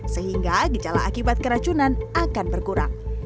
sehingga gejala akibat keracunan akan berkurang